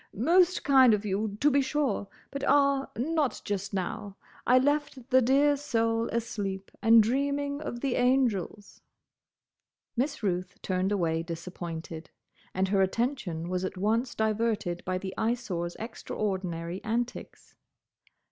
"Most kind of you, to be sure; but—ah—not just now. I left the dear soul asleep, and dreaming of the angels." Miss Ruth turned away disappointed, and her attention was at once diverted by the Eyesore's extraordinary antics.